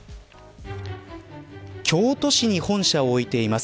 京都市に本社を置いています